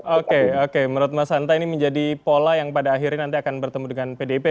oke oke menurut mas hanta ini menjadi pola yang pada akhirnya nanti akan bertemu dengan pdip